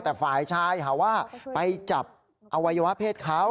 แต่ฝ่ายชายหาว่าไปจับอวัยวะเพศเขา